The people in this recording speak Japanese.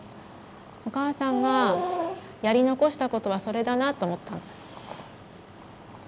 お母さんがやり残したことはそれだなと思ったの。